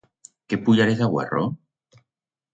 Que puyarez d'agüerro?